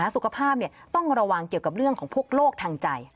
สุขภาพต้องระวังเกี่ยวกับเรื่องของพวกโรคทางใจ